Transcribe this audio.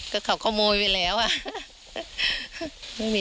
ก็เขาขโมยไปแล้วอ่ะ